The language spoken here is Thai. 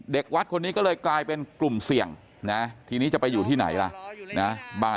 เด็กวัดคนนี้ก็เลยกลายเป็นกลุ่มเสี่ยงนะฮะ